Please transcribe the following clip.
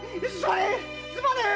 すまねえ！